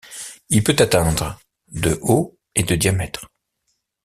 Il peut atteindre de haut et de diamètre.